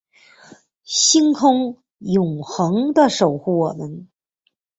星空永恒的守护我们